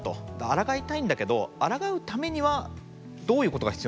あらがいたいんだけどあらがうためにはどういうことが必要なのか。